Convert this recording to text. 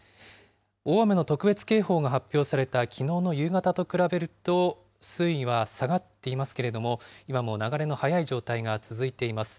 大雨の特別警報が発表されたきのうの夕方と比べると、水位は下がっていますけれども、今も流れの速い状態が続いています。